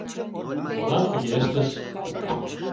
Молан тыге ыштыш?